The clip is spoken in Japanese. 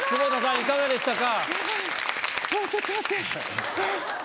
いかがでしたか？